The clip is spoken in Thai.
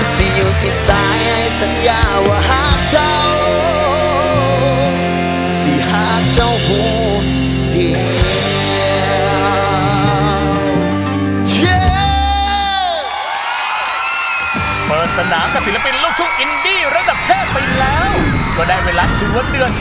สิอยู่สิตายไห้สัญญาว่าฮักเจ้าสิฮักเจ้าหูเดียว